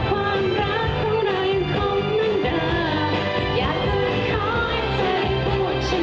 ก็ว่ารักก็ว่าอย่างดีใช่ไหม